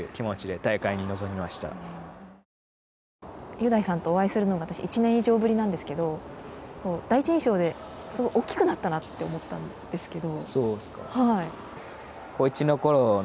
雄大さんとお会いするのが私、１年以上ぶりなんですけど第一印象ですごく大きくなったなって思ったんですけど。